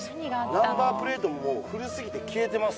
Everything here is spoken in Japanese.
ナンバープレートも古すぎて消えてます。